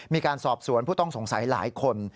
มีการสอบสวนผู้ต้องสงสัยหลายคน